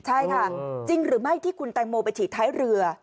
ใช่ค่ะจริงหรือไม่ที่คุณแตงโมไปฉีดท้ายเรือ